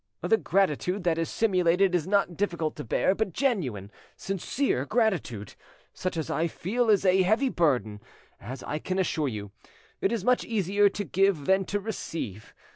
"The gratitude that is simulated is not difficult to bear, but genuine, sincere gratitude, such as I feel, is a heavy burden, as I can assure you. It is much easier to give than to receive.